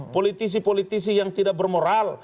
politisi politisi yang tidak bermoral